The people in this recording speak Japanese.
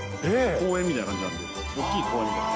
公園みたいな感じなんで、大きい公園みたいな。